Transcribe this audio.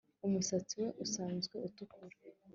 Umusatsi we usanzwe utukura